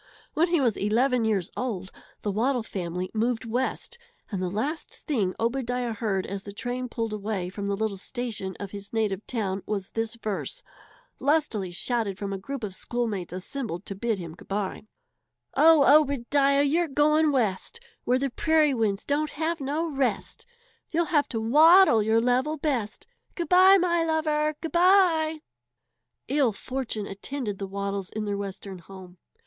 When he was eleven years old the Waddle family moved West, and the last thing Obadiah heard as the train pulled away from the little station of his native town was this verse, lustily shouted from a group of schoolmates assembled to bid him good bye: "Oh, Obadiah, you're going West, Where the prairie winds don't have no rest, You'll have to waddle your level best. Good bye, my lover, good bye!" Ill fortune attended the Waddles in their western home.